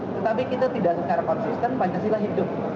tetapi kita tidak secara konsisten pancasila hidup